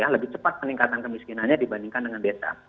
lebih cepat peningkatan kemiskinannya dibandingkan dengan desa